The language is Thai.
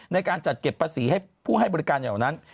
ในการจัดเก็บภาษีให้ผู้ให้บริการอย่างนั้น